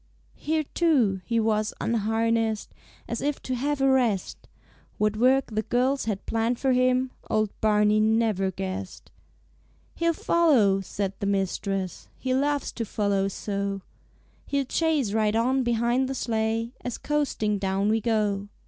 Here, too, he was unharnessed, As if to have a rest; What work the girls had planned for him Old Barney never guessed. "He'll follow," said his mistress, "He loves to follow so. He'll chase right on behind the sleigh, As coasting down we go.